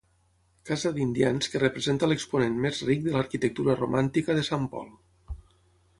Casa d'indians que representa l'exponent més ric de l'arquitectura romàntica de Sant Pol.